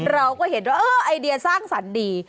เราก็เห็นว่าเออไอเดียสร้างสรรค์ดี